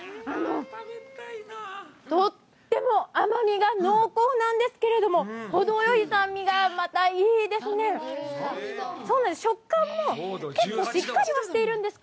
とっても甘みが濃厚なんですけれども、ほどよい酸味が、またいいですね。